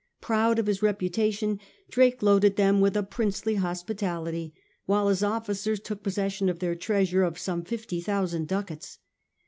Proud of his reputa tion, Drake loaded them with a princely hospitality, while his officers took possession of their treasure of some fifty thousand ducats.